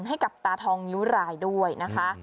ให้กับตาทองนิ้วรายด้วยนะคะ